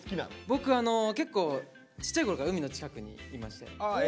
僕結構ちっちゃいころから海の近くにいまして。